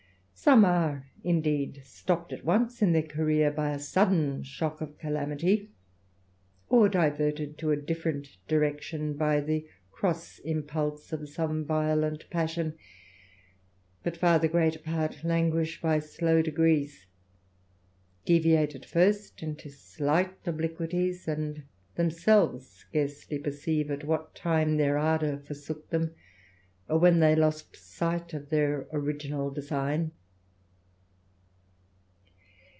Some are indeed stopt at once in their career by a sudden shock of calamity, or diverted to a different direction by the cross impulse of some violent passion ; but far the greater part languish by slow degrees, deviate at first into slight obliquities, and themselves scarcely perceive at what time their ardour for sook them, or when they lost sight of their original design.